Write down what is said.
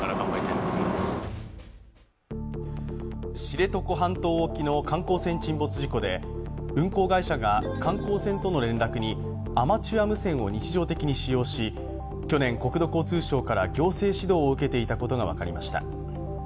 知床半島沖の観光船沈没事故で運航会社が、観光船との連絡にアマチュア無線を日常的に使用し去年、国土交通省から行政指導を受けていたことが分かりました。